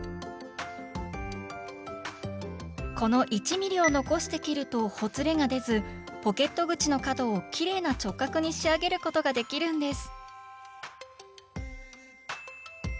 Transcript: この１ｍｍを残して切るとほつれが出ずポケット口の角をきれいな直角に仕上げることができるんです！